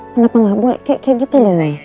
kenapa nggak boleh kayak gitu ya nanya